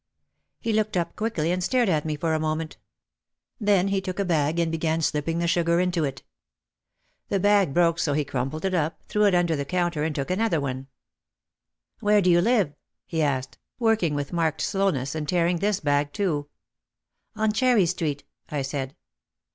He looked up quickly and stared at me for a moment. Then he took a bag and began slipping the sugar into it. The bag broke so he crumpled it up, threw it under the counter and took another one. "Where do you live ?" he asked, working with marked slowness and tearing this bag too. "On Cherry Street," I said.